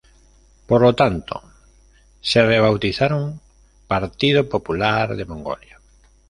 Por lo tanto, se rebautizaron "Partido Popular de Mongolia".